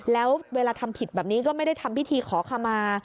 แล้วเวลาทำผิดแบบนี้ก็ไม่ได้ทำพิธีขอขมา